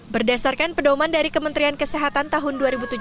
berdasarkan pedoman dari kementerian kesehatan tahun dua ribu tujuh belas